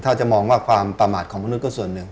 ถ้าจะมองว่าความประมาทของมนุษย์ส่วนหนึ่ง